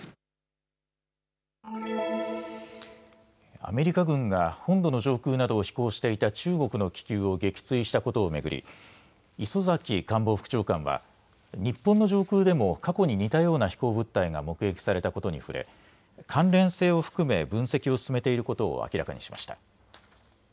アメリカ軍が本土の上空などを飛行していた中国の気球を撃墜したことを巡り磯崎官房副長官は日本の上空でも過去に似たような飛行物体が目撃されたことに触れ、関連性を含め分析を進めていることを明らかにしました。